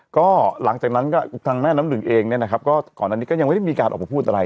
ก็หลังจากนั้นก็ทางแม่น้ำหนึ่งเองเนี่ยนะครับก็ก่อนอันนี้ก็ยังไม่ได้มีการออกมาพูดอะไร